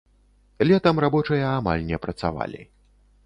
Летам рабочыя амаль не працавалі.